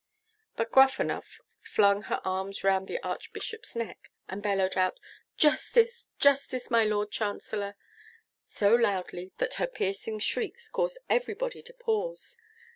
But Gruffanuff flung her arms round the Archbishop's neck, and bellowed out, 'Justice, justice, my Lord Chancellor!' so loudly, that her piercing shrieks caused everybody to pause.